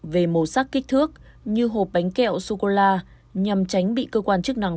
về màu sắc kích thước như hộp bánh kẹo sô cô la nhằm tránh bị cơ quan chức năng